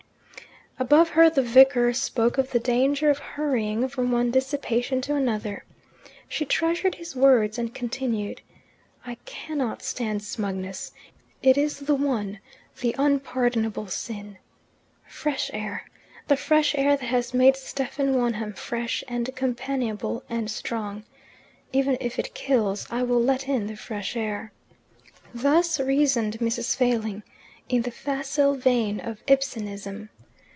Above her the vicar spoke of the danger of hurrying from one dissipation to another. She treasured his words, and continued: "I cannot stand smugness. It is the one, the unpardonable sin. Fresh air! The fresh air that has made Stephen Wonham fresh and companionable and strong. Even if it kills, I will let in the fresh air." Thus reasoned Mrs. Failing, in the facile vein of Ibsenism.